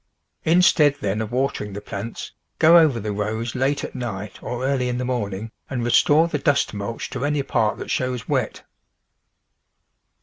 Instead, then, of water ing the plants, go over the rows late at night or early in the morning and restore the dust mulch to any part that shows wet.